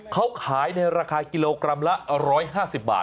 เขาขายในราคากิโลกรัมละ๑๕๐บาท